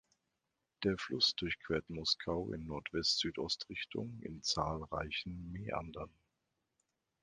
Der Fluss durchquert Moskau in Nordwest-Südost-Richtung in zahlreichen Mäandern.